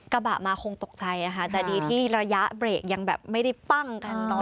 กระบะมาคงตกใจนะคะแต่ดีที่ระยะเบรกยังไม่ได้ปั้ง